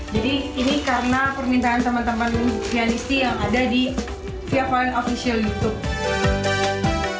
jadi ini karena permintaan teman teman pianisti yang ada di fia valen official youtube